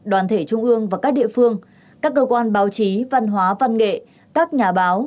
đoàn thể trung ương và các địa phương các cơ quan báo chí văn hóa văn nghệ các nhà báo